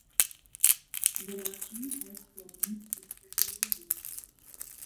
There are few health problems specific to the breed.